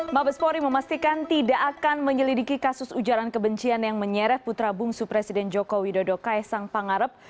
mabespori memastikan tidak akan menyelidiki kasus ujaran kebencian yang menyeret putra bungsu presiden joko widodo kaisang pangarep